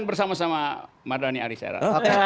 dan bersama sama mardhani arisera